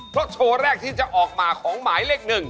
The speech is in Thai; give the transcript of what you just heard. เพราะโชว์แรกที่จะออกมาของหมายเลข๑